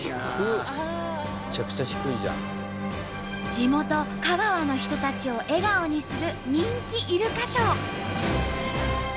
地元香川の人たちを笑顔にする人気イルカショー。